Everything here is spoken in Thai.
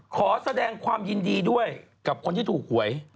ขอแสดงความยินดีด้วยกับคนที่ถูกหวย